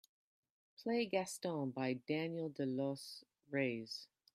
Play Gaston by Daniel De Los Reyes.